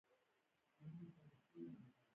پکورې د یادونو نه جلا نه دي